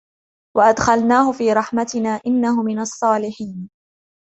وَأَدْخَلْنَاهُ فِي رَحْمَتِنَا إِنَّهُ مِنَ الصَّالِحِينَ